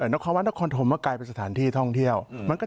นครวัดนครธมก็กลายเป็นสถานที่ท่องเที่ยว